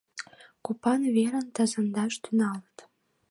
Купан верым тазаҥдаш тӱҥалыт.